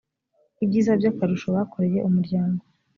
ibyiza by akarusho bakoreye umuryango